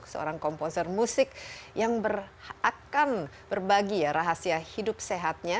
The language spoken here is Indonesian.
seorang komposer musik yang akan berbagi ya rahasia hidup sehatnya